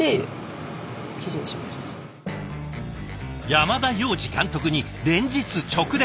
山田洋次監督に連日直電？